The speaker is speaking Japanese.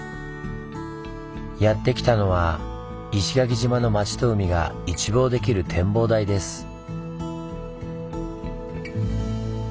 やって来たのは石垣島の町と海が一望できる展望台です。